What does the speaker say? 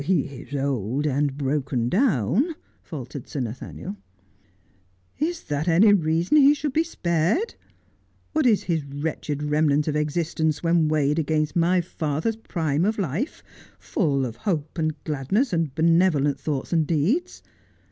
' He is old and broken down,' faltered Sir Nathaniel. 102 Just as I Am, ' Is that any reason he should be spared ? What is his wretched remnant of existence when weighed against my father's prime of life— full of hope and gladness and benevolent thoughts and deeds?